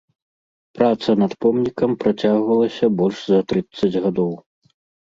Праца над помнікам працягвалася больш за трыццаць гадоў.